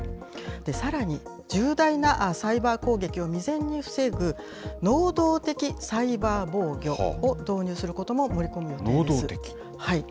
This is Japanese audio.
さらに重大なサイバー攻撃を未然に防ぐ、能動的サイバー防御を導入することも盛り込む予定です。